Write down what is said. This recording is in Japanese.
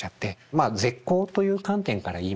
まあ絶交という観点から言いますと